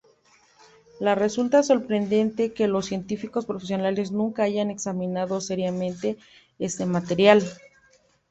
Le resulta sorprendente que los científicos profesionales nunca hayan examinado seriamente este material.